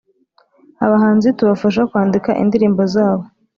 ’abahanzi, tubafasha kwandika indirimbo zabo